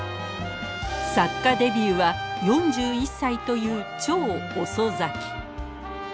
作家デビューは４１歳という超遅咲き。